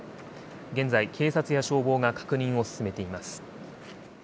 現在、警察や消防が確認を進めています。